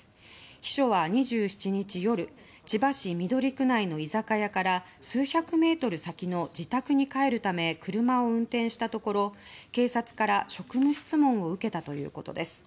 秘書は２７日夜千葉市緑区内の居酒屋から数百メートル先の自宅に帰るため車を運転したところ警察から職務質問を受けたということです。